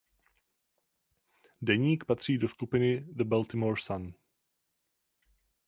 Deník patří do skupiny The Baltimore Sun.